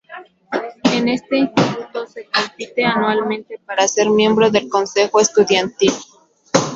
En este instituto, se compite anualmente para ser miembro del consejo estudiantil.